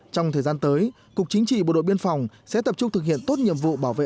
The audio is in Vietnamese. trong thời gian tới cục chính trị bộ đội biên phòng sẽ tập trung thực hiện tốt nhiệm vụ bảo vệ